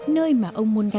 nơi mà ông muốn làm